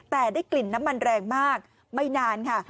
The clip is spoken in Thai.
แต่ได้กลิ่นน้ำมันแรงมากไม่นานค่ะ